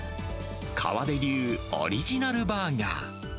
河出流オリジナルバーガー。